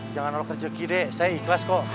jangan lo kerjeki dek saya ikhlas kok